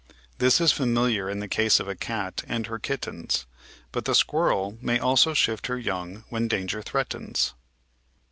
This is familiar in the case of a cat and her kittens, but the squirrel may also shift her young when danger threatens.